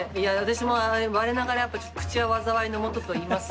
いや私も我ながら「口はわざわいのもと」と言います。